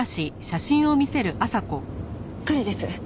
彼です。